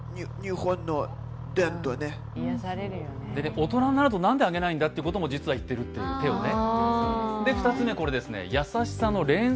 大人になると、なんで上げないんだとも実は言ってるっていうね、手をね。